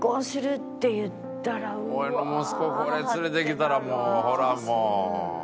俺の息子これ連れてきたらこれはもう。